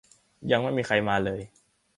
ยังไม่มีใครมาเลย